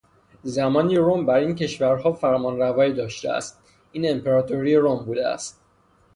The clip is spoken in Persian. زمانی روم بر این کشورها فرمانروایی داشته است. این امپراتوری روم بوده است.